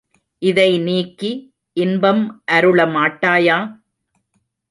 இதை நீக்கி இன்பம் அருள மாட்டாயா?